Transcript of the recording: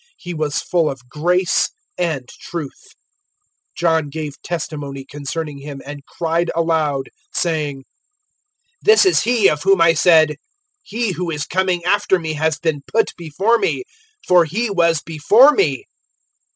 He was full of grace and truth. 001:015 John gave testimony concerning Him and cried aloud, saying, "This is He of whom I said, `He who is coming after me has been put before me,' for He was before me."